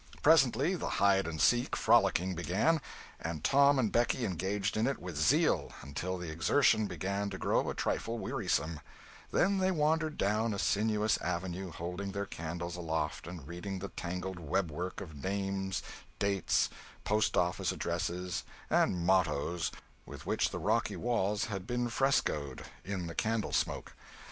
Presently the hide and seek frolicking began, and Tom and Becky engaged in it with zeal until the exertion began to grow a trifle wearisome; then they wandered down a sinuous avenue holding their candles aloft and reading the tangled webwork of names, dates, postoffice addresses, and mottoes with which the rocky walls had been frescoed (in candle smoke).